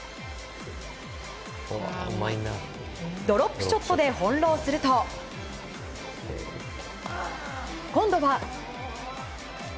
ドロップショットで翻弄すると今度は。